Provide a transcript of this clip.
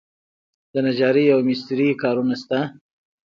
د نجارۍ او مسترۍ کارونه شته؟